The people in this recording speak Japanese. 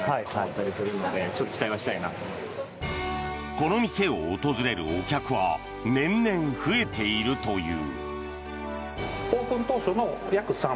この店を訪れるお客は年々増えているという。